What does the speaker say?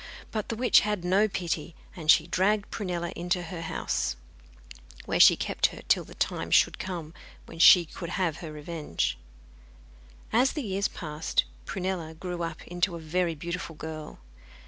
But the witch had no pity, and she dragged Prunella into her house, where she kept her till the time should come when she could have her revenge. As the years passed Prunella grew up into a very beautiful girl.